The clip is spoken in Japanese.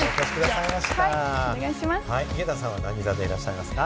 井桁さんは何座でいらっしゃいますか？